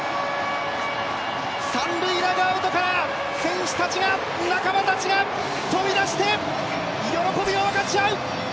三塁ダグアウトから、選手たちが仲間たちが飛び出して喜びを分かち合う。